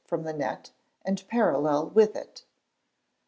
from the net and parallel with it.